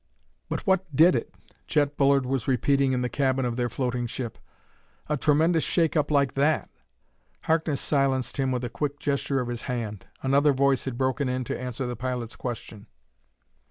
"But what did it?" Chet Bullard was repeating in the cabin of their floating ship. "A tremendous shake up like that!" Harkness silenced him with a quick gesture of his hand. Another voice had broken in to answer the pilot's question.